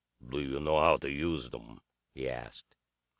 "Do you know how to use them?" he asked.